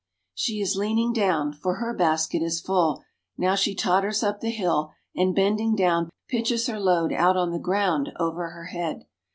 She is leaning down, for her basket is full ; now she totters up the hill, and bending down, pitches her load out on the ground over her head.